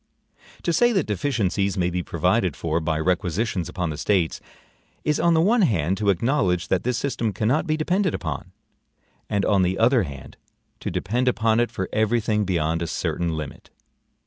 To say that deficiencies may be provided for by requisitions upon the States, is on the one hand to acknowledge that this system cannot be depended upon, and on the other hand to depend upon it for every thing beyond a certain limit.